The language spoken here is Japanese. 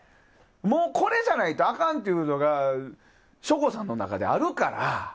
もう、これじゃないとあかんっていうのが省吾さんの中であるから。